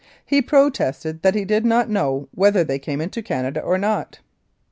He protested that he did not know whether they came into Canada or not.